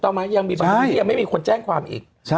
ไหมยังมีบางคนที่ยังไม่มีคนแจ้งความอีก